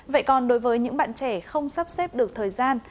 vậy còn đối với những bạn trẻ không sắp xếp được thời gian